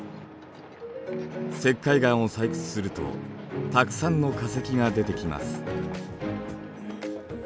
石灰岩を採掘するとたくさんの化石が出てきます。